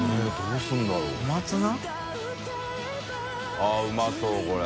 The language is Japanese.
昇據△うまそうこれ。